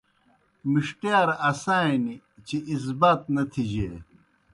مِݜٹِیار آسہ نیْ چہ ازبات نہ تِھجیئے